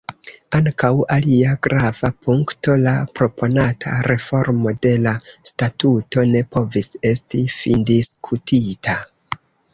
Ankaŭ alia grava punkto, la proponata reformo de la statuto, ne povis esti findiskutita.